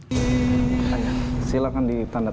semoga fucked ya